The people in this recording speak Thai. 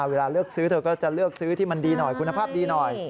เวลาเลือกซื้อเธอก็จะเลือกซื้อที่มันดีหน่อยคุณภาพดีหน่อย